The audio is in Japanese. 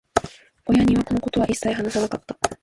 親には、このことは一切話さなかった。